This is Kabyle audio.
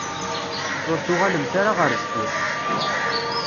Ur tuγalemt ara γer deffir